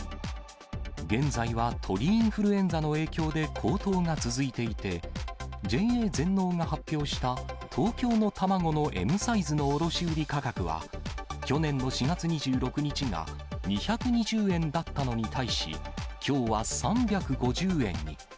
現在は鳥インフルエンザの影響で高騰が続いていて、ＪＡ全農が発表した東京の卵のＭサイズの卸売り価格は、去年の４月２６日が２２０円だったのに対し、きょうは３５０円に。